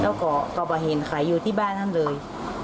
แล้วก็ก็มาเห็นใครอยู่ที่บ้านนั่นเลย